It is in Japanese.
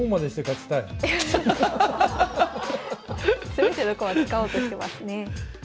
全ての駒使おうとしてますね。